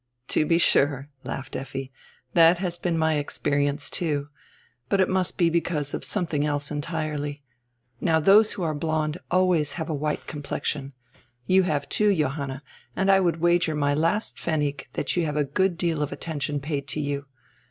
"To be sure," laughed Effi, "that has been my experi ence, too. But it must be because of something else entirely. Now, diose who are blonde always have a white complexion. You have, too, Johanna, and I would wager my last pfennig diat you have a good deal of attention paid to you.